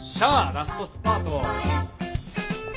ラストスパート。